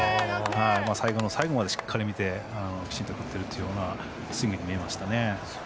最後の最後までしっかり見てきっちり打っているというスイングに見えました。